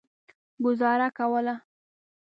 ګوزاره کوله.